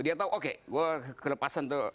dia tahu oke wah kelepasan tuh